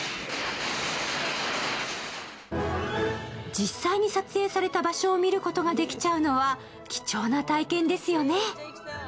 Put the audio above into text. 実際に撮影された場所を見ることができちゃうのは貴重な体験ですよね。